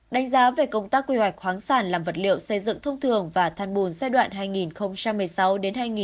đánh giá về công tác quy hoạch khoáng sản làm vật liệu xây dựng thông thường và than bùn giai đoạn hai nghìn một mươi sáu hai nghìn hai mươi